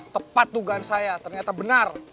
tepat dugaan saya ternyata benar